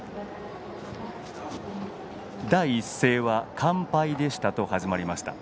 第一声は完敗でしたと始まりました。